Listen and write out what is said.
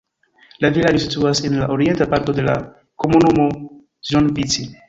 La vilaĝo situas en la orienta parto de la komunumo Zrnovci.